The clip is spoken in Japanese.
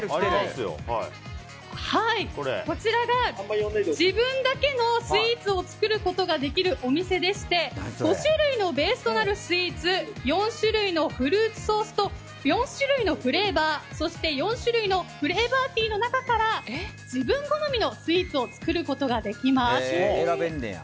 こちらが自分だけのスイーツを作ることができるお店でして５種類のベースとなるスイーツ４種類のフルーツソースと４種類のフレーバーそして、４種類のフレーバーティーの中から自分好みのスイーツを作ることができます。